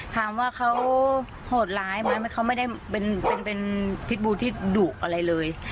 ถามว่าเขาโหดร้ายไหมเขาไม่ได้เป็นพิษบูที่ดุอะไรเลย